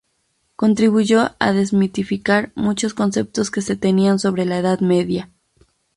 Contribuyó a desmitificar muchos conceptos que se tenían sobre la Edad Media.